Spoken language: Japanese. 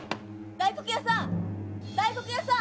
大黒屋さん！